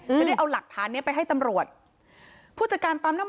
จะได้เอาหลักฐานเนี้ยไปให้ตำรวจผู้จัดการปั๊มน้ำมัน